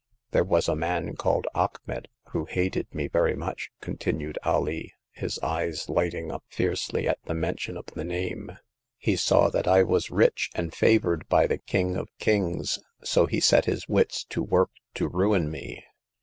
There was a man called Achmet, who hated me very much," continued Alee, his eyes light ing up fiercely at the mention of the name. He saw that I was rich, and favored by the King of Kings, so he set his wits to work to ruin me.